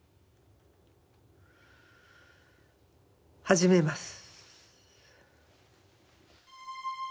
始めます。